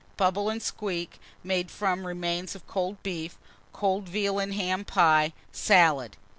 Bubble and squeak, made from remains of cold beef; cold veal and ham pie, salad.